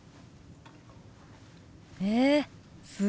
へえすごい！